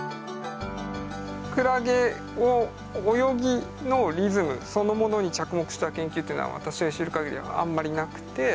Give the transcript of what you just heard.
クラゲを泳ぎのリズムそのものに着目した研究っていうのは私が知る限りあんまりなくて。